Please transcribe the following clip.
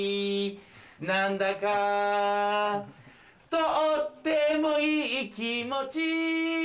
何だかとってもいい気持ち！